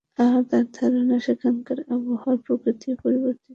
তার ধারণা, সেখানকার আবহাওয়ার প্রকৃতিও পরিবর্তিত হয়েছে।